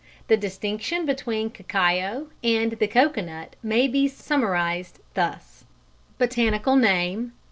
The distinction between cacao and the coconut may be summarised thus: Cacao.